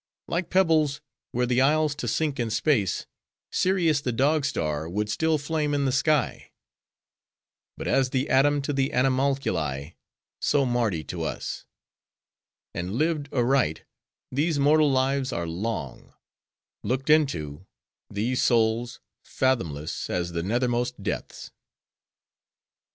Like pebbles, were the isles to sink in space, Sirius, the Dog star, would still flame in the sky. But as the atom to the animalculae, so Mardi to us. And lived aright, these mortal lives are long; looked into, these souls, fathomless as the nethermost depths.